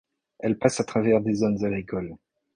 Elle passe à travers des zones agricoles.